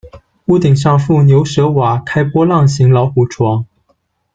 屋顶上覆牛舌瓦，开波浪形老虎窗。